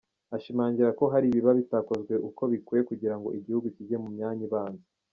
Ashimangira ko hari ibiba bitakozwe uko bikwiye kugira ngo igihugu kijye mu myanya ibanza.